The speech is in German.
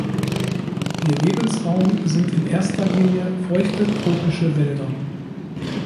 Ihr Lebensraum sind in erster Linie feuchte, tropische Wälder.